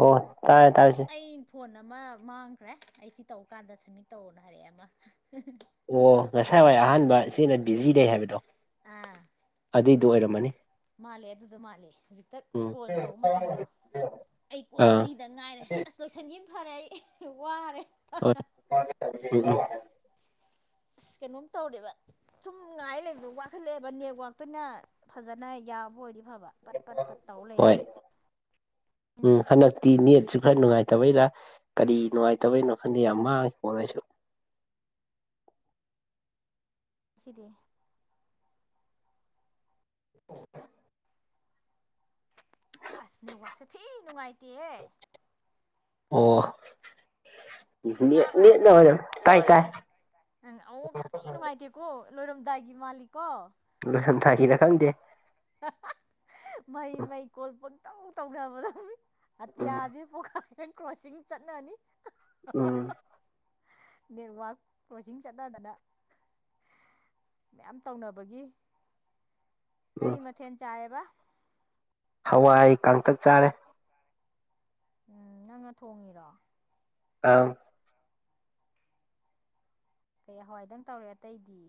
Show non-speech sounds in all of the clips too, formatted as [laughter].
ꯑꯣ ꯇꯥꯏꯔꯦ ꯇꯥꯏꯁꯦ ꯑꯩ ꯐꯣꯟ ꯑꯃ ꯃꯥꯡꯈ꯭ꯔꯦ ꯑꯩꯁꯤ ꯇꯧ ꯀꯥꯟꯗ ꯁꯃꯤꯠ ꯇꯧꯅ ꯍꯥꯏꯔꯛꯑꯦ ꯑꯃ ꯑꯣ ꯉꯁꯥꯏ ꯋꯥꯏ ꯑꯍꯥꯟꯕ ꯁꯤꯅ ꯕꯤꯖꯤꯗꯩ ꯍꯥꯏꯕꯗꯣ ꯑꯥ ꯑꯗꯨꯏꯗꯣ ꯑꯣꯏꯔꯝꯃꯅꯤ ꯃꯥꯜꯂꯦ ꯑꯗꯨꯗ ꯃꯥꯂꯦ ꯍꯧꯖꯤꯛꯇ ꯎꯝ ꯀꯣꯜ ꯇꯧꯕ ꯃꯇꯝꯗꯣ ꯑꯩ ꯀꯣꯟ ꯑꯥ ꯃꯔꯤꯗ ꯉꯥꯏꯔꯦ ꯑꯁ ꯂꯣꯏꯁꯟꯒꯤ ꯐꯔꯦ ꯑꯩ ꯋꯥꯔꯦ [unintelligible] ꯑꯁ ꯀꯩꯅꯣꯝ ꯇꯧꯔꯦꯕ ꯁꯨꯝ ꯉꯉꯥꯏ ꯂꯩꯕꯗꯣ ꯋꯥꯈꯠꯂꯛꯑꯦꯕ ꯅꯦꯠꯋꯥꯛꯇꯨꯅ ꯐꯖꯅ ꯌꯥꯝꯕ ꯑꯣꯏꯗꯤ ꯐꯕ ꯄꯠ ꯄꯠ ꯄꯠ ꯇꯧ ꯂꯩꯔꯦ ꯍꯣꯏ ꯎꯝ ꯍꯟꯗꯛꯇꯤ ꯅꯦꯠꯁꯨ ꯈꯔ ꯅꯨꯡꯉꯥꯏꯇꯕꯩꯔ ꯀꯔꯤ ꯅꯨꯡꯉꯥꯏꯇꯕꯅꯣ ꯈꯟꯗꯦ ꯌꯥꯝ ꯃꯥꯡꯉꯤ ꯍꯣ ꯑꯩꯁꯨ ꯑꯁꯤꯗꯤ [inaudible] ꯑꯁ ꯅꯦꯋꯥꯛꯁꯦ ꯊꯤ ꯅꯨꯡꯉꯥꯏꯇꯦ ꯑꯣ ꯅꯦꯠ ꯇꯥꯕ꯭ꯔꯥ ꯅꯦꯠꯅ ꯑꯣꯏꯔꯝ ꯇꯥꯏ ꯇꯥꯏ ꯑꯃꯨꯛ ꯁꯥꯊꯤ ꯅꯨꯡꯉꯥꯏꯇꯦ ꯀꯣ ꯂꯣꯏꯔꯝꯗꯥꯏꯒꯤ ꯃꯥꯂꯤꯛꯣ ꯂꯣꯏꯁꯟꯊꯥꯈꯤꯅ ꯈꯪꯗꯦ ꯃꯍꯩ ꯃꯩꯀꯣꯜ ꯄꯪꯇꯧ ꯇꯧꯅꯕꯗ ꯎꯝ ꯎꯝ ꯑꯇꯤꯌꯥꯁꯤ ꯄꯨꯥ ꯀ꯭ꯔꯣꯁꯤꯡ ꯆꯠꯅꯅꯤ ꯎꯝ ꯅꯦꯠꯋꯛ ꯀ꯭ꯂ꯭ꯔꯣꯁꯤꯡ ꯆꯠꯅꯗꯅ ꯃꯌꯥꯝ ꯇꯧꯅꯕꯒꯤ ꯀꯔꯤ ꯎꯝ ꯃꯊꯦꯜ ꯆꯥꯏꯌꯦꯕ ꯍꯋꯥꯏ ꯀꯥꯡꯇꯛ ꯆꯥꯔꯦ ꯎꯝ ꯅꯪꯅ ꯊꯣꯡꯉꯤꯔꯣ ꯑ ꯀꯩ ꯍꯋꯥꯏꯗꯪ ꯇꯧꯔꯦ ꯑꯇꯩꯗꯤ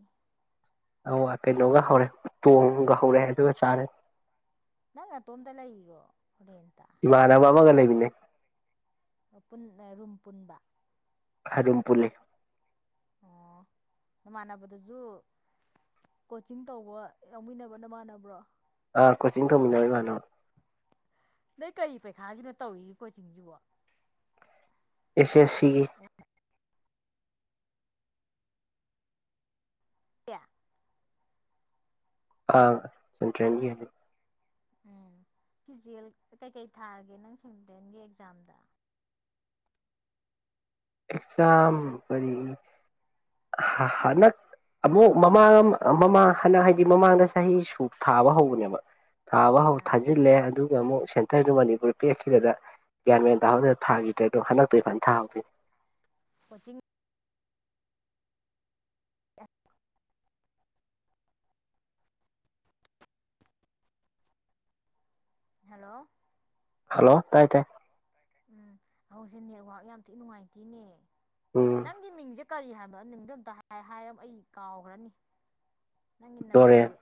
ꯑ ꯀꯩꯅꯣꯒ ꯍꯧꯔꯦ ꯇꯣꯡꯒ ꯍꯧꯔꯦ ꯑꯗꯨꯒ ꯆꯥꯔꯦ ꯅꯪ ꯑꯇꯣꯝꯇ ꯂꯩꯔꯤꯔꯣ ꯔꯦꯟꯇ ꯃꯥꯅ ꯃꯥꯕꯒ ꯂꯩꯒꯅꯦ ꯔꯨꯝ ꯄꯨꯟꯕ ꯑꯗꯨ ꯑꯗꯨꯝ ꯄꯨꯜꯂꯤ ꯑꯣ ꯅꯃꯥꯟꯅꯕꯗꯨꯁꯨ ꯀꯣꯆꯤꯡ ꯇꯧꯕ ꯌꯥꯎꯃꯤꯟꯅꯕꯅ ꯃꯥꯟꯅꯕ꯭ꯔꯣ ꯑꯥ ꯀꯣꯆꯤꯡ ꯇꯧꯃꯤꯟꯅꯔ ꯏꯃꯥꯟꯅꯣ ꯅꯣꯏ ꯀꯔꯤ ꯄꯩꯈꯥꯒꯤꯅꯣ ꯇꯧꯔꯤꯒꯦ ꯀꯣꯆꯤꯡꯁꯤꯕꯣ ꯑꯦꯁꯤ ꯑꯦ ꯁꯤꯒꯤ ꯀꯌꯥ ꯑꯥ ꯁꯦꯟꯇ꯭ꯔꯅꯤ ꯍꯥꯏ ꯎꯝ ꯐꯤꯖꯦꯜ ꯀꯩꯀꯩ ꯊꯥꯔꯒꯦ ꯅꯪ ꯁꯇꯦꯟꯒꯤ ꯑꯦꯛꯖꯥꯝꯗ ꯑꯦꯛꯖꯝ ꯐꯔꯤ ꯍꯅꯛ ꯑꯃꯨꯛ ꯃꯃꯥꯡ ꯃꯃꯥꯡ ꯍꯅ ꯍꯥꯏꯗꯤ ꯃꯃꯥꯡꯗ ꯆꯍꯤ ꯁꯨ ꯊꯥꯕ ꯍꯧꯕꯅꯦꯕ ꯊꯥꯕ ꯍꯧ ꯑꯥ ꯊꯥꯖꯤꯜꯂꯦ ꯑꯗꯨ ꯑꯃꯨꯛ ꯁꯦꯟꯇꯔꯗꯨ ꯃꯅꯤꯄꯨꯔ ꯄꯦꯛꯛꯈꯤꯗ ꯒ꯭ꯌꯥꯟ ꯃꯦꯟ ꯇꯥꯍꯧꯗꯅ ꯊꯥꯈꯤꯗ꯭ꯔꯦ ꯑꯣ ꯍꯟꯗꯛꯇꯣꯏ ꯐꯅ ꯊꯥꯍꯧꯗꯣꯏꯅꯤ ꯀꯣꯆꯤꯡ ꯍꯜꯂꯣ ꯍꯜꯂꯣ ꯇꯥꯏ ꯇꯥꯏ ꯎꯝ ꯍꯧꯖꯤꯁꯦ ꯅꯦꯠꯋꯥꯛ ꯌꯥꯝ ꯊꯤ ꯅꯨꯡꯉꯥꯏꯇꯦꯅꯦ ꯎꯝ ꯅꯪꯒꯤ ꯃꯤꯡꯁꯦ ꯀꯔꯤ ꯍꯥꯏꯕꯗꯣ ꯅꯗꯣ ꯑꯝꯇ ꯍꯥꯏꯔ ꯑꯩ ꯀꯥꯎꯈ꯭ꯔꯅꯤ ꯅꯪꯒꯤ ꯗꯣꯔꯦꯟ ꯅꯝꯕꯔꯁꯦ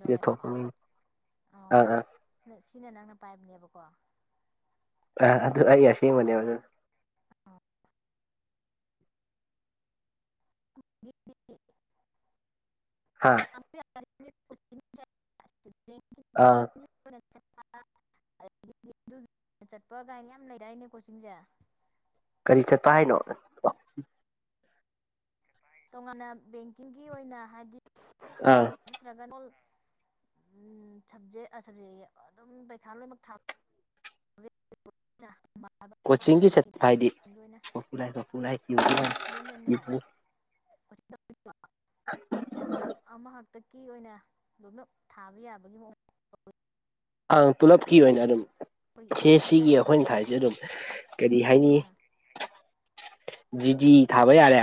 ꯁꯤꯗ ꯊꯣꯛꯄ ꯃꯤꯡ ꯑꯣ ꯑꯥ ꯑꯥ ꯁꯤ ꯁꯤꯅ ꯅꯪꯅ ꯄꯥꯏꯕꯅꯦꯕꯀꯣ ꯑ ꯑꯗꯨ ꯑꯩ ꯑꯁꯦꯡꯕꯅꯦꯕ ꯑꯗꯨ ꯑ [inaudible] ꯍꯥꯥ [inaudible] ꯑꯥ ꯑꯗꯒꯤ ꯆꯠꯄ ꯀꯥꯏꯅ ꯌꯥꯝ ꯂꯩꯔꯏꯅꯦ ꯀꯣꯆꯤꯡꯁꯦ ꯀꯔꯤ ꯆꯠꯄ ꯍꯥꯏꯅꯣ ꯇꯣꯉꯥꯟꯅ ꯕꯦꯡꯀꯤꯡꯒꯤ ꯑꯣꯏꯅ ꯍꯥꯏꯗꯤ ꯑꯥ ꯑꯗꯨꯠꯇ꯭ꯔꯒꯣ ꯁꯕꯖꯦꯛ ꯑꯁꯕꯖꯦꯛ ꯑꯗꯨꯝ ꯄꯔꯤꯈꯥ ꯂꯣꯏꯅꯃꯛ ꯊꯥ ꯀꯣꯆꯤꯡꯒꯤ ꯥꯏ ꯆꯠꯄ ꯂꯥꯏꯟꯒꯤ ꯍꯥꯏꯗꯤ ꯑꯣꯏꯅ ꯄꯨ ꯄꯨꯔꯥꯏ ꯏꯅꯟꯅꯦ ꯌꯨ ꯑ ꯊꯕꯛ ꯑꯃ ꯍꯥꯛꯇꯛꯀꯤ ꯑꯣꯏꯅ ꯂꯣꯏꯅ ꯊꯥꯕ ꯌꯥꯕꯒꯤ ꯃꯑꯣꯡ ꯑꯪ ꯄꯨꯂꯞꯀꯤ ꯑꯣꯏꯅ ꯑꯗꯨꯝ ꯑꯩꯈꯣꯏꯒꯤ ꯑꯦꯝ ꯁꯦ ꯄꯤ ꯑꯃ ꯁꯤꯒꯤ ꯂꯩꯔꯤꯗꯅ ꯑꯩꯈꯣꯏꯅ ꯊꯥꯏꯁꯦ ꯑꯗꯨꯝ ꯀꯔꯤ ꯍꯥꯏꯅꯤ ꯑꯥ ꯖꯤꯗꯤ ꯊꯥꯕꯩ ꯌꯥꯔꯦ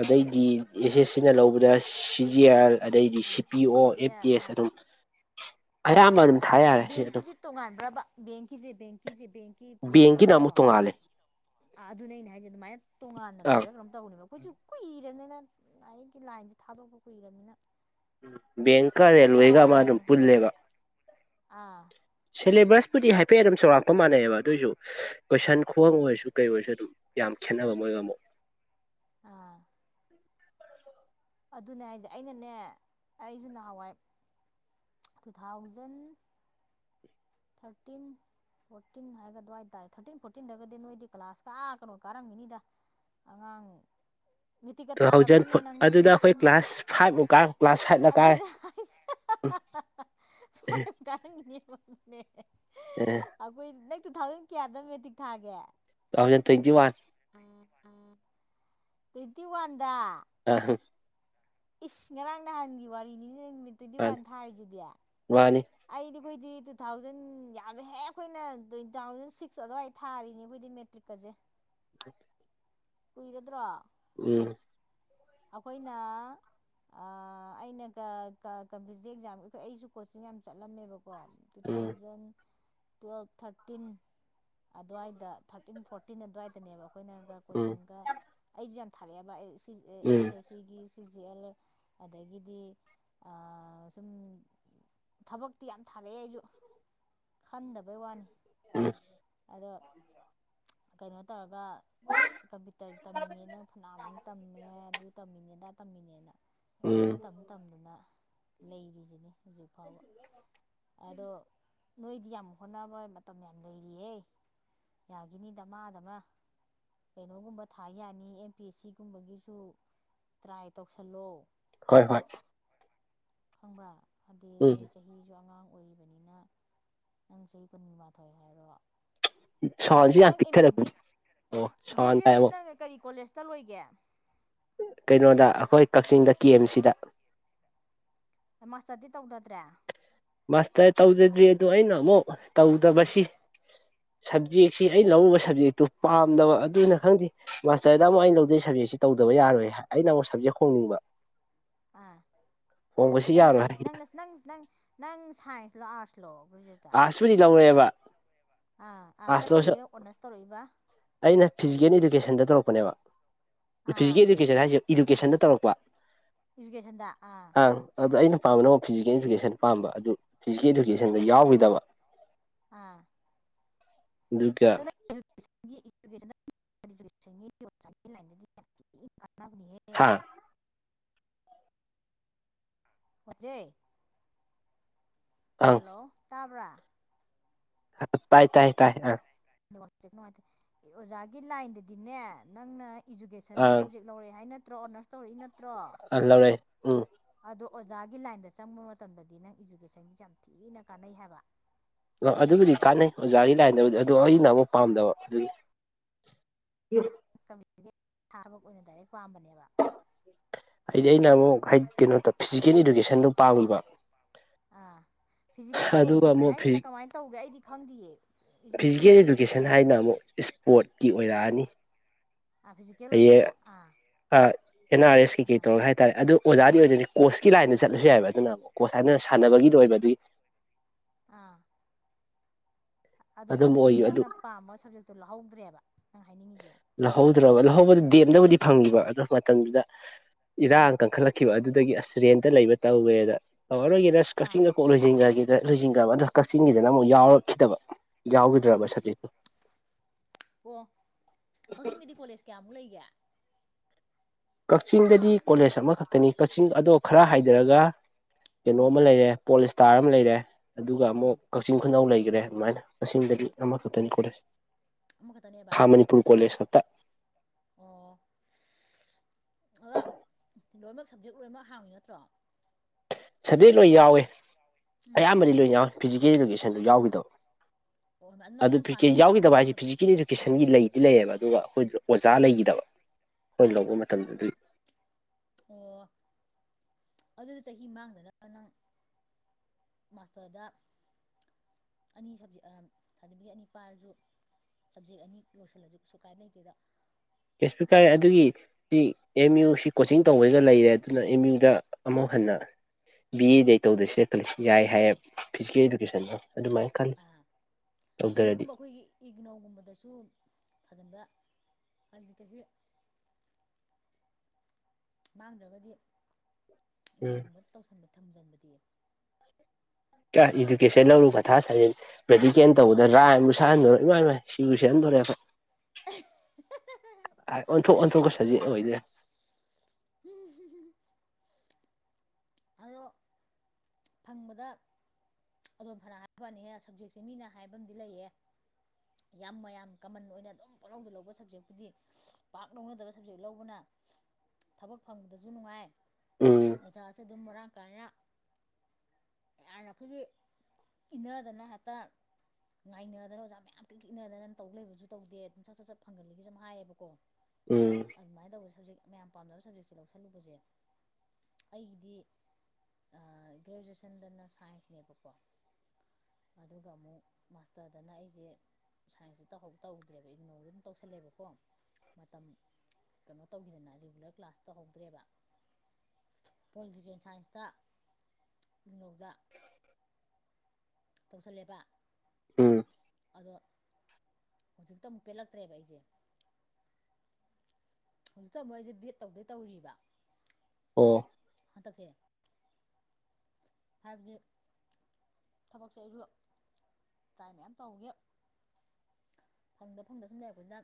ꯑꯗꯩꯗꯤ ꯑꯦꯁ ꯑꯦꯁ ꯁꯤꯅ ꯂꯧꯕꯗ ꯁꯤꯖꯤ ꯑꯥꯔ ꯑꯗꯩꯗꯤ ꯁꯤ ꯑꯥ ꯄꯤ ꯑꯣ ꯁꯤꯁꯦ ꯑꯦꯐ ꯇꯤ ꯑꯦꯁ ꯑꯗꯨꯝ ꯑꯥ ꯑꯌꯥꯝꯕ ꯑꯗꯨꯝ ꯊꯥ ꯌꯥꯔꯦ ꯁꯤ ꯑꯗꯨꯝ ꯕꯦꯡꯀꯤꯗꯤ ꯇꯣꯉꯥꯟꯕ꯭ꯔꯕ ꯕꯦꯡꯀꯤꯁꯦ ꯕꯦꯡꯀꯤꯁꯦ ꯕꯦꯡ ꯕꯦꯡ ꯕꯦꯡꯀꯤꯅ ꯑꯃꯨꯛ ꯄꯤꯌꯣ ꯇꯣꯡꯉꯥꯜꯂꯦ ꯑꯥ ꯑꯗꯨꯅꯦ ꯍꯥꯏꯁꯦ ꯑꯗꯨꯃꯥꯏꯅ ꯇꯣꯉꯥꯟꯅ ꯑꯥ ꯂꯩꯕ꯭ꯔꯥ ꯀꯝ ꯇꯧꯅꯦꯕ ꯑꯩꯈꯣꯏꯁꯨ ꯀꯨꯏꯔꯅꯤꯅ ꯂꯥꯏꯔꯤꯛꯒꯤ ꯂꯥꯏꯟꯁꯦ ꯊꯥꯗꯣꯛꯄ ꯀꯨꯏꯔꯅꯤꯅ ꯕꯦꯡ ꯑꯩꯅ ꯅꯍꯋꯥꯏꯅꯤ ꯑꯥ ꯁꯤꯂꯦꯕꯁꯄꯨꯗꯤ ꯍꯥꯏꯐꯦꯠ ꯑꯗꯨꯝ ꯆꯥꯎꯔꯥꯛꯄ ꯃꯥꯟꯅꯩꯕ ꯑꯗꯨꯑꯣꯏꯔꯁꯨ ꯀꯣꯏꯁꯟ ꯈꯨꯍꯡ ꯑꯥ ꯑꯣꯏꯔꯁꯨ ꯀꯩ ꯑꯣꯏꯔꯁꯨ ꯑꯗꯨꯝ ꯌꯥꯝ ꯈꯦꯠꯅꯕ ꯃꯣꯏꯒ ꯑꯃꯨꯛ ꯑꯥ ꯑꯗꯨꯅꯦ ꯍꯥꯏꯁꯦ ꯑꯩꯅꯅꯦ ꯑꯩꯁꯨ ꯅꯍꯥꯟꯋꯥꯏ ꯇꯨ ꯊꯥꯎꯖꯟ ꯊꯥꯔꯇꯤꯟ ꯐꯣꯔꯇꯤꯟ ꯍꯥꯏꯒꯗꯋꯥ ꯍꯥꯏꯇꯥꯔꯦ ꯊꯥꯔꯇꯤꯟ ꯐꯣꯔꯇꯤꯟꯗꯒꯗꯤ ꯅꯣꯏꯗꯤ ꯀ꯭ꯂꯥꯁ ꯀꯥ ꯀꯅꯣ ꯀꯥꯔꯝꯒꯅꯤꯗ ꯑꯉꯥꯡ ꯇꯨ ꯊꯥꯎꯖꯟ ꯊꯥꯔꯕ꯭ꯔꯅꯦ ꯅꯪ ꯑꯗꯨꯗ ꯑꯩꯈꯣꯏ ꯊꯥꯔꯇꯤꯟ ꯀ꯭ꯂꯥꯁ ꯐꯥꯏꯚꯄꯨ ꯀꯥ ꯀ꯭ꯂꯥꯁ ꯐꯥꯏꯚꯇ ꯀꯥꯔꯦ ꯎꯝ ꯐ ꯀꯅꯦ [unintelligible] ꯎ ꯑꯩꯈꯣꯏ ꯅꯪ ꯇꯨ ꯊꯥꯎꯖꯟ ꯀꯌꯥꯗ ꯃꯦꯇꯤꯔꯤꯛ ꯊꯥꯒꯦ ꯑꯈ ꯋꯥ ꯎꯝ ꯎꯝ ꯇ꯭ꯋꯦꯟꯇꯤ ꯋꯥꯟꯗ ꯑ ꯍꯨꯝ ꯏꯁ ꯉꯔꯥꯡ ꯅꯍꯥꯟꯒꯤ ꯋꯥꯔꯤꯅꯤ ꯅꯨꯃꯤꯠ ꯇ꯭ꯋꯦꯟꯇꯤ ꯋꯥꯟ ꯊꯥꯔꯤꯁꯤꯗꯤ ꯃꯥꯕꯥꯅꯤ ꯑꯩꯗꯤ ꯑꯩꯈꯣꯏꯗꯤ ꯇꯨ ꯊꯥꯎꯖꯟ ꯌꯥꯝꯃꯦ ꯍꯦ ꯑꯩꯈꯣꯏꯅ ꯇ ꯇꯨ ꯊꯥꯎꯖꯟ ꯁꯤꯛꯁ ꯑꯗꯨꯋꯥꯗ ꯊꯥꯔꯤꯅꯤ ꯑꯩꯈꯣꯏꯗꯤ ꯃꯦ ꯇꯔꯤꯛꯀꯁꯦ ꯀꯨꯏꯔꯗ꯭ꯔꯣ ꯎꯝ ꯑꯩꯈꯣꯏꯅ ꯑꯩꯅꯒ ꯀꯝꯄꯤꯇꯤꯇꯤꯞ ꯑꯦꯛꯖꯥꯝ ꯑꯩꯈꯣꯏ ꯑꯩꯁꯨ ꯀꯣꯆꯤꯡ ꯌꯥꯝ ꯆꯠꯂꯝꯃꯦꯕ ꯀꯣ two um thousand twelve thirteen ꯑꯗꯨꯋꯥꯏꯗ ꯊꯥꯔꯇꯤꯟ ꯐꯣꯔꯇꯤꯟ ꯑꯗꯨꯋꯥꯏꯗꯅꯦꯕ ꯑꯩꯈꯣꯏꯅꯒ ꯎꯝ ꯀꯣꯆꯤꯡꯒ ꯑꯩꯁꯨ ꯌꯥꯝ ꯊꯥꯔꯛꯑꯦꯕ ꯑꯦꯁ ꯎꯝ ꯑꯦꯁ ꯁꯤꯒꯤ ꯁꯤꯖꯤ ꯑꯦꯜ ꯑꯗꯒꯤꯗꯤ ꯑ ꯁꯨꯝ ꯊꯕꯛꯇꯤ ꯌꯥꯝ ꯊꯥꯔꯛꯑꯦ ꯑꯩꯁꯨ ꯈꯟꯗꯕꯩ ꯋꯥꯅꯤ ꯎꯝ ꯑꯗꯣ ꯀꯩꯅꯣ ꯇꯧꯔꯒ ꯀꯝꯄ꯭ꯌꯨꯇꯔ ꯇꯝꯃꯤꯅꯦꯅ ꯐꯅꯌꯥꯝꯃꯨꯛ ꯇꯝꯃꯦ ꯑꯗꯨ ꯇꯝꯃꯤꯅꯦ ꯇꯝꯃꯤꯅꯦꯅ ꯑꯗꯨꯝ ꯎꯝ ꯇꯝ ꯇꯝꯗꯨꯅ ꯂꯩꯔꯤꯁꯤꯅꯤ ꯍꯧꯖꯤꯛ ꯐꯥꯎꯕ ꯑꯗꯣ ꯅꯣꯏꯗꯤ ꯌꯥꯝ ꯍꯣꯠꯅꯕ ꯃꯇꯝ ꯌꯥꯝ ꯂꯩꯔꯤꯍꯦ ꯌꯥꯒꯤꯅꯤꯗ ꯗꯃꯥꯗꯃ ꯀꯩꯅꯣꯒꯨꯝꯕ ꯊꯥ ꯌꯥꯅꯤ ꯑꯦꯝ ꯄꯤ ꯑꯦꯁ ꯁꯤꯒꯨꯝꯕꯒꯤꯁꯨ ꯇ꯭ꯔꯥꯏ ꯇꯧꯁꯜꯂꯣ ꯍꯣꯏ ꯍꯣꯏ ꯈꯪꯕ꯭ꯔꯥ ꯍꯥꯏꯗꯤ ꯎꯝ ꯅꯣꯏ ꯆꯍꯤꯁꯨ ꯑꯉꯥꯡ ꯑꯣꯏꯔꯤꯕꯅꯤꯅ ꯅꯪ ꯆꯍꯤ ꯀꯨꯟꯒ ꯃꯥꯊꯣꯏ ꯍꯥꯏꯔꯣ ꯁꯥꯎꯟꯁꯤ ꯒ꯭ꯔꯦꯖꯨꯋꯦꯠ ꯌꯥꯝ ꯅꯪ ꯑꯦꯝ ꯑꯦꯗꯤ ꯄꯤꯛꯊꯔꯛꯄꯅꯤ ꯑꯣ ꯁꯥꯎꯟ ꯒ꯭ꯔꯦꯖꯨꯋꯦꯠꯇꯤ ꯍꯥꯏꯕꯨ ꯅꯪ ꯀꯔꯤ ꯀꯣꯂꯦꯖꯇ ꯂꯣꯏꯒꯦ ꯀꯩꯅꯣꯗ ꯑꯩꯈꯣꯏ ꯀꯛꯆꯤꯡꯗ ꯀꯦ ꯑꯦꯝꯁꯤꯗ ꯃꯥꯁꯇꯔꯗꯤ ꯇꯧꯗꯗ꯭ꯔꯦ ꯃꯥꯁꯇꯔ ꯇꯧꯗꯗ꯭ꯔꯤ ꯑꯗꯣ ꯑꯩꯅ ꯑꯃꯨꯛ ꯇꯧꯗꯕꯁꯤ ꯁꯕꯖꯦꯛꯁꯤ ꯑꯩ ꯂꯧꯔꯕ ꯁꯕꯖꯦꯛꯇꯨ ꯄꯥꯝꯗꯕ ꯑꯗꯨꯅ ꯈꯪꯗꯦ ꯃꯥꯁꯇꯔꯗ ꯑꯃꯨꯛ ꯑꯩꯅ ꯂꯧꯗꯣꯏꯩ ꯁꯕꯖꯦꯛꯁꯤ ꯇꯧꯗꯕ ꯌꯥꯔꯣꯏ ꯍꯥꯏ ꯑꯩꯅ ꯑꯃꯨꯛ ꯁꯞꯖꯦꯛ ꯍꯣꯡꯅꯤꯡꯕ ꯑꯥ ꯍꯣꯡꯕꯁꯤ ꯅꯪ ꯌꯥꯔꯣꯏ ꯀꯩ ꯍꯥꯏ ꯅꯪ ꯅꯪ ꯅꯪ ꯅꯪ ꯁꯥꯏꯟꯁꯂꯣ ꯑꯥꯔꯠꯁꯂꯣ ꯒ꯭ꯔꯦꯖꯨꯠ ꯑꯥꯔꯁꯄꯨꯗꯤ ꯂꯧꯔꯛꯑꯦꯕ ꯑ ꯑꯥꯔꯠꯁꯇ ꯀꯩꯗ ꯑꯣꯅꯔꯁ ꯇꯧꯔꯛꯏꯕ ꯑꯩꯅ ꯐꯤꯖꯤꯀꯦꯜ ꯏꯗꯨꯀꯦꯁꯟꯗ ꯇꯧꯔꯛꯄꯅꯦꯕ ꯑꯥ ꯐꯤꯖꯤꯀꯦꯜ ꯏꯗꯨꯀꯦꯁꯟ ꯍꯥꯏꯁꯦ ꯏꯗꯨꯀꯦꯁꯟꯗ ꯇꯧꯔꯛꯄ ꯏꯖꯨꯀꯦꯁꯟꯗ ꯑꯥ ꯑꯪ ꯑꯗꯨꯗꯣ ꯑꯩꯅ ꯄꯥꯝꯕ ꯅꯛ ꯐꯤꯖꯤꯀꯦꯜ ꯏꯗꯨꯀꯦꯁꯟ ꯄꯥꯝꯕ ꯑꯗꯨ ꯐꯤꯖꯤꯀꯦꯜ ꯏꯗꯨꯀꯦꯁꯟꯗ ꯌꯥꯎꯈꯤꯗꯕ ꯑꯥ ꯑ ꯑꯗꯨꯒ ꯗꯗꯤ ꯌꯥꯝ ꯊꯤ ꯀꯥꯟꯅꯕꯅꯤ ꯍ ꯍꯥꯥ ꯍꯧꯖꯦ ꯑꯪ ꯍꯜꯂꯣ ꯇꯥꯕ꯭ꯔꯥ ꯇꯥꯏ ꯇꯥꯏ ꯇꯥꯏ ꯑ ꯑꯣꯖꯥꯒꯤ ꯂꯥꯏꯟꯗꯗꯤꯅꯦ ꯅꯪꯅ ꯏꯖꯨꯀꯦꯁꯟ ꯑꯪ ꯁꯞꯖꯦꯛ ꯂꯧꯔꯛꯦ ꯍꯥꯏ ꯅꯠꯇ꯭ꯔꯣ ꯑꯣꯅꯔꯁ ꯇꯧꯔꯛꯏ ꯅꯠꯇ꯭ꯔꯣ ꯑ ꯂꯧꯔꯦ ꯎꯝ ꯑꯗꯣ ꯑꯣꯖꯥꯒꯤ ꯂꯥꯏꯟꯗ ꯆꯪꯕ ꯃꯇꯝꯗꯗꯤ ꯅꯪ ꯏꯖꯨꯀꯦꯁꯟꯁꯤ ꯌꯥꯝ ꯊꯤꯅ ꯀꯥꯟꯅꯩ ꯍꯥꯏꯕ ꯑ ꯅꯪ ꯑꯗꯨꯕꯨꯗꯤ ꯁꯕꯖꯦꯛꯇꯣ ꯀꯥꯟꯅꯩ ꯑꯣꯖꯥꯒꯤ ꯂꯥꯏꯟꯗꯕꯨꯗꯤ ꯑꯗꯨ ꯑꯩꯅ ꯑꯃꯨꯛ ꯑꯥ ꯄꯥꯝꯗꯕ ꯑꯗꯨꯒꯤ ꯎꯝ ꯊꯥꯕ ꯑꯣꯏꯅ ꯗꯥꯏꯔꯦꯛ ꯄꯥꯝꯕꯅꯦꯕ ꯍꯥꯏꯗꯤ ꯑꯩꯅ ꯑꯃꯨꯛ ꯍꯥꯏꯗꯤ ꯀꯩꯅꯣꯗ ꯐꯤꯖꯤꯀꯦꯜ ꯏꯗꯨꯀꯦꯁꯟꯗꯣ ꯄꯥꯝꯃꯤꯕ ꯑꯥ ꯐꯤꯖꯤꯀꯦꯜ ꯑꯗꯨꯒ ꯏꯖꯨꯀꯦꯁꯟ ꯑꯃꯨꯛ ꯍꯥꯏꯁꯤꯅ ꯀꯃꯥꯏꯅ ꯇꯧꯒꯦ ꯑꯩꯗꯤ ꯈꯪꯗꯦꯌꯦꯕ ꯏꯗꯨꯀꯦꯁꯟꯒꯤꯗꯤꯗ ꯣ ꯄꯣꯠꯀꯤ ꯑꯣꯏꯔꯛꯑꯅꯤ ꯐꯦꯜ ꯑꯣꯏꯕ ꯄꯣꯠꯇ ꯑ ꯑ ꯑꯦꯟ ꯑꯥꯔ ꯑꯦꯁ ꯀꯩ ꯀꯩ ꯇꯧꯔꯒ ꯍꯥꯏꯇꯥꯔꯦ ꯑꯗꯨ ꯑꯣꯖꯥꯗꯤ ꯑꯣꯏꯗꯣꯏꯗꯤ ꯀꯣꯁꯀꯤ ꯂꯥꯏꯟꯗ ꯆꯠꯂꯁꯨ ꯌꯥꯏꯕ ꯑꯗꯨꯅ ꯑꯃꯨꯛ ꯀꯣꯁ ꯍꯥꯏꯅ ꯑꯥ ꯁꯥꯟꯅꯕꯒꯤꯗ ꯑꯣꯏꯕ ꯑꯗꯨꯒꯤ ꯑꯥ ꯑꯗꯨ ꯑꯗꯨꯝ ꯑꯗꯨꯗꯤ ꯑꯣꯏꯈꯤꯕ ꯑꯗꯨ ꯅꯪꯅ ꯄꯥꯝꯕ ꯁꯞꯖꯦꯛꯇꯣ ꯂꯧꯍꯧꯗ꯭ꯔꯦꯕ ꯅꯪ ꯍꯥꯏꯅꯤꯡꯉꯤꯖꯦ ꯂꯧꯍꯧꯗ꯭ꯔꯕ ꯂꯧꯍꯧꯕꯗꯨ ꯗꯦꯝꯗꯕꯨꯗꯤ ꯐꯪꯉꯕ ꯑꯗꯨ ꯃꯇꯝꯗꯨꯗ ꯎꯝ ꯏꯔꯥꯡ ꯀꯟꯈꯠꯂꯛ ꯀꯈꯤꯕ ꯑꯗꯨꯗꯒꯤ ꯑꯁ ꯔꯦꯟꯇ ꯂꯩꯕ ꯇꯧꯋꯦꯗꯧꯔꯣꯏꯒꯤꯦꯗꯁ ꯑꯥ ꯀꯛꯆꯤꯡ ꯀꯣꯛ ꯂꯣꯏꯁꯤꯟꯈ꯭ꯔꯒꯦ ꯂꯣꯏꯁꯤꯟꯈ꯭ꯔꯕ ꯑꯗ ꯀꯛꯆꯤꯡꯒꯤꯗꯅ ꯑꯃꯨꯛ ꯌꯥꯎꯔꯛꯈꯤꯗꯕ ꯌꯥꯎꯈꯤꯗ꯭ꯔꯕ ꯎꯝ ꯁꯕꯖꯦꯛꯇꯨ ꯑꯣ ꯀꯛꯆꯤꯡꯗꯗꯤ ꯀꯣꯂꯦꯖ ꯀꯌꯥꯃꯨꯛ ꯂꯩꯒꯦ ꯀꯛꯆꯤꯡꯗꯗꯤ ꯀꯣꯂꯦꯖ ꯑꯃꯈꯛꯇꯅꯤ ꯀꯛꯆꯤꯡ ꯑꯗꯣ ꯈꯔ ꯍꯥꯏꯊꯔꯒ ꯎꯝ ꯀꯩꯅꯣꯝꯃ ꯂꯩꯔꯦ ꯄꯣꯂꯤꯁꯇꯥꯔ ꯑꯃ ꯂꯩꯔꯦ ꯑꯗꯨꯒ ꯎꯝ ꯑꯃꯨꯛ ꯀꯛꯆꯤꯡ ꯈꯨꯅꯧ ꯂꯩꯒꯔꯦ ꯑꯗꯨꯃꯥꯏꯅ ꯃꯁꯤꯡꯗꯗꯤ ꯑꯃꯈꯛꯇꯅꯤ ꯀꯣꯂꯦꯖ ꯑꯃꯈꯛꯇꯅꯦꯕꯥ ꯥ ꯈꯥ ꯃꯅꯤꯄꯨꯔ ꯀꯣꯂꯦꯖ ꯈꯛꯇ ꯑꯣ ꯑꯗ ꯂꯣꯏꯃꯛ ꯁꯞꯖꯦꯛ ꯂꯣꯏꯅꯃꯛ ꯍꯥꯡꯉꯤ ꯅꯠꯇ꯭ꯔꯣ ꯁꯕꯖꯦꯛ ꯂꯣꯏ ꯌꯥꯎꯏ ꯎꯝ ꯑꯌꯥꯝꯕꯗꯤ ꯂꯣꯏ ꯌꯥꯎꯏ ꯐꯤꯖꯤꯀꯦꯜ ꯏꯗꯨꯒꯦꯁꯟꯗꯨ ꯌꯥꯎꯒꯤꯗꯕ ꯑꯣ ꯅꯪ ꯑꯗꯨ ꯅꯪ ꯄꯥꯝꯃꯤ ꯐꯤꯖꯤꯀꯦꯟ ꯄꯣꯠꯇꯨꯗꯪ ꯌꯥꯎꯒꯤꯗꯕ ꯍꯥꯏꯖꯦ ꯌꯥꯎꯗꯕ ꯐꯤꯖꯤꯀꯦꯟ ꯀꯦꯁꯟꯒꯤ ꯂꯩꯗꯤ ꯂꯩꯌꯦꯕ ꯑꯗꯨꯒ ꯑꯩꯈꯣꯏꯗꯨꯗ ꯑꯣꯖꯥ ꯎꯝ ꯂꯩꯒꯤꯗꯕ ꯑꯩꯈꯣꯏꯅ ꯂꯧꯕ ꯃꯇꯝꯗꯨ ꯑꯗꯨꯒꯤ ꯑꯣ ꯑꯗꯨꯗꯤ ꯆꯍꯤ ꯃꯥꯡꯗꯅꯕ ꯅꯪ ꯃꯥꯁꯇꯔꯗ ꯑꯅꯤ ꯁꯞꯖꯦꯛ ꯑꯝ ꯁꯥꯔꯗꯤꯕꯤꯒꯦꯠ ꯑꯅꯤ ꯄꯥꯏꯔꯖꯨ ꯁꯞꯖꯦꯛ ꯑꯅꯤ ꯂꯣꯏꯁꯤꯜꯂꯁꯨ ꯀꯩꯁꯨ ꯀꯥꯏꯅ ꯂꯩꯇꯦꯗ ꯀꯦꯁꯄꯤꯀꯔ ꯑꯗꯨꯒꯤ C M U C coaching ꯇꯧꯕꯩꯒ ꯂꯩꯔꯦ ꯑꯗꯨꯅ ꯑꯦꯝ ꯌꯨꯗ ꯑꯃꯨꯛ ꯍꯟꯅ ꯕꯤ ꯑꯦꯗ ꯑꯩ ꯇꯧꯗꯁꯨ ꯌꯥꯏ ꯀꯂꯦꯛꯁꯟ ꯌꯥꯏ ꯍꯥꯏꯌꯦ ꯐꯤꯖꯤꯀꯦꯜ ꯏꯗꯨꯀꯦꯁꯟꯅ ꯑꯗꯨꯃꯥꯏ ꯈꯜꯂꯤ ꯇꯧꯗꯔꯗꯤ ꯀꯩꯅꯣꯒꯨꯝꯕ ꯑꯩꯈꯣꯏꯒꯤ ꯏꯒꯅꯧꯒꯨꯝꯕꯗꯁꯨ ꯊꯥꯖꯤꯟꯕ ꯎꯄꯥꯏ ꯂꯩꯇ꯭ꯔꯗꯤ ꯃꯥꯡꯗ꯭ꯔꯒꯗꯤ ꯎꯝ ꯏꯒꯅꯧꯒꯨꯝꯕ ꯇꯧꯁꯟꯕ ꯊꯝꯖꯟꯕꯗꯤ ꯇ꯭ꯔꯥ ꯏꯗꯨꯀꯦꯁꯟꯅ ꯑꯃꯨꯛ ꯃꯊꯥ ꯁꯥꯖꯤꯜꯂꯤ ꯃꯦꯗꯤꯀꯦꯜ ꯇꯧꯕꯗ ꯔꯥꯏꯝ ꯁꯛꯍꯟꯗꯅ ꯏꯃꯥꯏ ꯏꯃꯥꯏ ꯁꯤꯕꯨ ꯁꯤꯔꯝꯗꯣꯔꯦ ꯑꯩꯈꯣꯏ ꯑꯥꯏ ꯑꯣꯟꯊꯣꯛ ꯑꯣꯟꯊꯣꯛꯄ ꯁꯞꯖꯦꯛ ꯑꯣꯏ ꯂꯩꯔꯝꯃꯦ ꯍꯨꯝ ꯍꯨꯝ ꯍꯨꯝ ꯍꯨꯝ ꯑꯂꯣ ꯐꯪꯕꯗ ꯑꯗꯨꯝ ꯐꯅ ꯍꯥꯏꯕ ꯋꯥꯅꯤꯍꯦ ꯁꯞꯖꯦꯛꯁꯦ ꯃꯤꯅ ꯍꯥꯏꯕ ꯑꯃꯗꯤ ꯂꯩꯌꯦ [inaudible] ꯌꯥꯝ ꯃꯌꯥꯝ ꯀꯃꯟ ꯑꯣꯏꯅ ꯑꯗꯨꯝ ꯄꯔꯧꯗ ꯂꯧꯕ ꯁꯞꯖꯦꯛꯄꯨꯗꯤ ꯄꯥꯛ ꯂꯧꯅꯗꯕ ꯁꯞꯖꯦꯛ ꯂꯧꯕꯅ ꯊꯕꯛ ꯐꯪꯕꯗꯁꯨ ꯅꯨꯡꯉꯥꯏ ꯎꯝ ꯑꯣꯖꯥꯁꯨ ꯑꯗꯨꯝ ꯃꯔꯥꯡ ꯀꯥꯏꯅ ꯌꯥꯝꯅ ꯑꯩꯈꯣꯏꯒꯤ ꯏꯟꯅꯗꯅ ꯍꯦꯛꯇ ꯉꯥꯏꯅꯗꯅ ꯑꯣꯖꯥ ꯃꯌꯥꯝ ꯀ꯭ꯔꯤꯛ ꯀ꯭ꯔꯤꯛ ꯏꯟꯅꯗꯅ ꯇꯧ ꯂꯩꯕꯖꯨ ꯇꯧꯗꯦ ꯑꯗꯨꯝ ꯁꯠ ꯆꯠ ꯆꯠ ꯐꯪꯒꯜꯂꯤꯒꯁꯨ ꯑꯗꯨꯝ ꯍꯥꯏꯌꯦꯕꯀꯣ ꯎꯝ ꯑꯗꯨꯃꯥꯏꯅ ꯇꯧꯕ ꯁꯞꯖꯦꯛ ꯃꯌꯥꯝ ꯄꯥꯝꯅꯕ ꯁꯞꯖꯦꯛꯁꯦ ꯂꯧꯁꯜꯂꯨꯕꯁꯦ ꯑꯩꯒꯤꯗꯤ ꯑ ꯒ꯭ꯔꯦꯖꯨꯋꯦꯁꯟꯗꯅ ꯁꯥꯏꯟꯁꯅꯦꯕꯀꯣ ꯑꯗꯨꯒ ꯑꯃꯨꯛ ꯃꯥꯁꯇꯔꯗꯅ ꯑꯩꯖꯦ ꯁꯥꯏꯟꯁꯇ ꯇꯧꯍꯧ ꯇꯧꯗ꯭ꯔꯦꯕ ꯏꯒꯅꯩꯗ ꯑꯗꯨꯝ ꯇꯧꯁꯜꯂꯦꯕꯀꯣ ꯃꯇꯝ ꯀꯩꯅꯣ ꯇꯧꯒꯤꯗꯅ ꯔꯤꯒꯨꯂꯔ ꯀ꯭ꯂꯥꯁ ꯇꯧꯍꯧꯗ꯭ꯔꯦꯕ ꯄꯣꯂꯤꯇꯤꯀꯦꯜ ꯁꯥꯏꯟꯁꯇ ꯏꯒꯅꯧꯗ ꯇꯧꯁꯜꯂꯦꯕꯥ ꯎꯝ ꯑꯗꯣ ꯍꯧꯖꯤꯛꯇ ꯑꯃꯨꯛ ꯄꯦꯜꯂꯛꯇ꯭ꯔꯦꯕ ꯑꯩꯖꯦ ꯍꯧꯖꯤꯛꯇ ꯑꯃꯨꯛ ꯑꯩꯖꯦ ꯕꯤꯑꯦꯠ ꯇꯧꯗꯣꯏ ꯇꯧꯔꯤꯕꯥ ꯑꯣ ꯍꯟꯇꯛꯁꯦ ꯍꯥꯏꯕꯗꯤ ꯊꯕꯛꯁꯦ ꯑꯩꯁꯨ ꯇ꯭ꯔꯥꯏ ꯃꯌꯥꯝ ꯇꯧꯕꯒꯤ ꯐꯪꯗ ꯐꯪꯗ ꯁꯨꯝ ꯂꯩꯔꯛꯄꯁꯤꯅ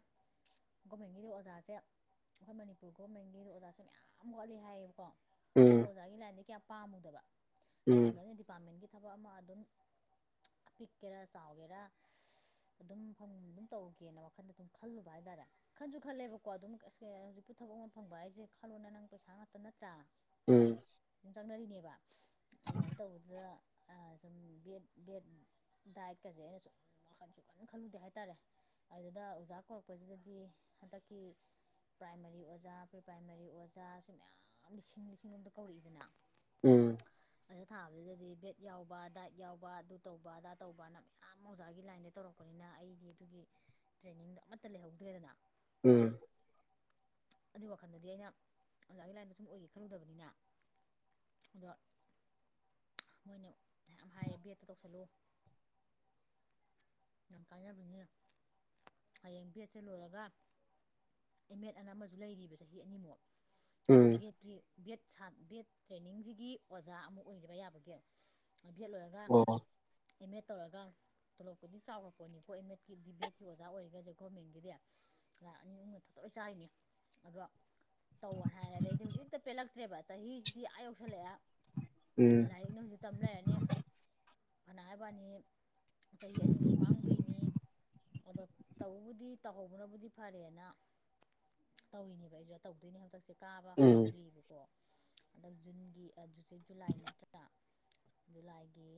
ꯒꯣꯔꯃꯦꯟꯒꯤꯗꯤ ꯑꯣꯖꯥꯁꯦ ꯑꯩꯈꯣꯏ ꯃꯅꯤꯄꯨꯔ ꯒꯣꯔꯃꯦꯟꯒꯤꯗꯤ ꯑꯣꯖꯥꯁꯦ ꯃꯌꯥꯝ ꯋꯥꯠꯂꯤ ꯍꯥꯏꯌꯦꯕꯀꯣ ꯎꯝ ꯑꯩꯅ ꯑꯣꯖꯥꯒꯤ ꯂꯥꯏꯟꯗꯤ ꯀꯌꯥ ꯄꯥꯝꯃꯨꯗꯕ ꯎꯝ ꯄꯥꯝꯗꯕꯗꯤ ꯗꯤꯄꯥꯔꯠꯃꯦꯟꯒꯤ ꯊꯕꯛ ꯑꯃ ꯑꯗꯨꯝ ꯄꯤꯛꯀꯦꯔꯥ ꯆꯥꯎꯒꯦꯔꯥ ꯑꯗꯨꯝ ꯐꯐꯝ ꯑꯗꯨꯝ ꯇꯧꯒꯦꯅ ꯋꯥꯈꯟꯗ ꯑꯗꯨꯝ ꯈꯜꯂꯨꯕ ꯍꯥꯏꯇꯥꯔꯦ ꯈꯟꯁꯨ ꯈꯜꯂꯦꯕꯀꯣ ꯑꯗꯨꯝ ꯍꯧꯖꯤꯛꯄꯨ ꯊꯕꯛ ꯑꯃ ꯐꯪꯕ ꯍꯥꯏꯁꯦ ꯈꯜꯂꯣꯅ ꯅꯪ ꯄꯩꯁꯥ ꯉꯥꯛꯇ ꯅꯠꯇ꯭ꯔꯥ ꯎꯝ ꯁꯨꯝ ꯆꯪꯅꯔꯤꯅꯦꯕꯥ ꯑꯣꯟꯂꯥꯏꯟ ꯇꯧꯕꯗꯨꯗ ꯗ ꯑ ꯁꯨꯝ ꯕꯦꯠ ꯕꯦꯠ ꯗꯥꯏꯠꯀꯖꯦ ꯑꯩꯅ ꯁꯨꯝ ꯋꯥꯈꯟꯁꯨꯝ ꯀꯟ ꯈꯜꯂꯨꯗꯦ ꯍꯥꯏꯇꯥꯔꯦ ꯑꯗꯨꯗ ꯑꯣꯖꯥ ꯀꯧꯔꯛꯄꯖꯤꯗꯗꯤ ꯍꯟꯇꯛꯀꯤ ꯄ꯭ꯔꯥꯏꯃꯥꯔꯤ ꯑꯣꯖꯥ ꯄ꯭ꯔꯤꯄ꯭ꯔꯥꯏꯃꯥꯔꯤ ꯑꯣꯖꯥ ꯁꯤ ꯃꯌꯥꯝ ꯂꯤꯁꯤꯡ ꯂꯤꯁꯤꯡꯂꯣꯝꯗ ꯀꯧꯔꯛꯏꯗꯅ ꯎꯝ ꯑꯗ ꯊꯥꯕꯖꯤꯗꯗꯤ ꯕꯦꯠ ꯌꯥꯎꯕ ꯗꯥꯏꯠ ꯌꯥꯎꯕ ꯑꯗꯨ ꯇꯧꯕ ꯑꯗꯥ ꯇꯧꯕ ꯑꯅ ꯃꯌꯥꯝ ꯑꯣꯖꯥꯒꯤ ꯂꯥꯏꯟꯗ ꯇꯧꯔꯛ ꯄꯄꯅꯤꯅ ꯑꯩꯗꯤ ꯑꯗꯨꯒꯤ ꯇ꯭ꯔꯦꯅꯤꯡꯗꯣ ꯑꯃꯠꯇ ꯂꯩꯍꯧꯗ꯭ꯔꯦꯗꯅ ꯎꯝ ꯑꯗꯨ ꯋꯥꯈꯜꯗꯗꯤ ꯑꯩꯅ ꯑꯣꯖꯥꯒꯤ ꯂꯥꯏꯟꯗꯣ ꯁꯨꯝ ꯑꯣꯏꯒꯦ ꯈꯜꯂꯨꯗꯕꯅꯤꯅ ꯑꯗ ꯃꯣꯏꯅ ꯃ ꯍꯥꯏꯔꯦ ꯕꯦꯠꯇ ꯇꯧꯁꯜꯂꯨ ꯌꯥꯝ ꯀꯥꯏꯅꯕꯅꯦ ꯍꯌꯦꯡ ꯕꯦꯠꯁꯦ ꯂꯣꯏꯔꯒ ꯑꯦꯝ ꯑꯦꯠ ꯑꯅ ꯑꯃꯁꯨ ꯂꯩꯔꯤꯕ ꯆꯍꯤ ꯑꯅꯤꯃꯨꯛ ꯕꯤ ꯎꯝ ꯑꯦꯠꯀꯤ ꯕꯤ ꯑꯦꯠ ꯁꯥ ꯚꯦꯠ ꯇ꯭ꯔꯦꯅꯤꯡꯁꯤꯒꯤ ꯑꯣꯖꯥ ꯑꯃ ꯑꯣꯏꯕ ꯌꯥꯕꯒꯤꯦ ꯚꯦꯠ ꯂꯣꯏꯔꯒ ꯑꯣ ꯑꯦꯝ ꯑꯦ ꯇꯧꯔꯒ ꯊꯣꯂꯛꯄꯗꯤ ꯆꯥꯎꯔꯛꯄ ꯄꯣꯅꯤꯀꯣ ꯑꯦꯃꯦꯠꯀꯤ ꯗꯤꯕꯦꯠꯀꯤ ꯑꯣꯖꯥ ꯑꯣꯏꯔꯤꯒꯁꯦ ꯒꯣꯔꯃꯦꯟꯒꯤꯗꯤ ꯉ ꯑꯅꯤ ꯑꯍꯨꯝꯅ ꯊꯛꯇ ꯂꯣꯏ ꯆꯥꯔꯤꯅꯦ ꯑꯗꯣ ꯇꯧꯔ ꯍꯥꯏꯔ ꯑꯗꯩꯗꯤ ꯍꯧꯖꯤꯛ ꯍꯦꯛꯇ ꯄꯦꯜꯂꯛꯇ꯭ꯔꯦꯕ ꯆꯍꯤꯁꯤꯗꯤ ꯑꯥ ꯌꯧꯁꯜꯂꯛꯑꯦ ꯎꯝ ꯂꯥꯏꯔꯤꯛ ꯅꯨꯡ ꯍꯧꯁꯨ ꯇꯝꯅꯔꯅꯤ ꯐꯅꯥꯏꯕꯅꯤ ꯆꯍꯤ ꯑꯅꯤ ꯃꯨꯃꯥꯡ ꯑꯗꯨꯏꯅꯤ ꯑꯗꯣ ꯇꯧꯕꯕꯨꯗꯤ ꯇꯧꯍꯧꯕꯅꯕꯨꯗꯤ ꯐꯔꯦꯅ ꯇꯧꯔꯤꯅꯦꯕ ꯑꯩꯁꯨꯗ ꯇꯧꯗꯣꯏꯅꯦ ꯍꯗꯛꯁꯦ ꯀꯥꯕ ꯎꯝ ꯍꯧꯗ꯭ꯔꯤꯑꯕꯀꯣ ꯑꯗꯣ ꯖꯨꯟꯒꯤꯁ ꯖꯨꯂꯥꯏ ꯅꯠꯇ꯭ꯔꯥ ꯖꯨꯂꯥꯏꯒꯤ